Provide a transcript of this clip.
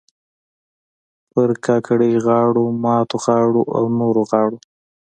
پر کاکړۍ غاړو، ماتو غاړو او نورو غاړو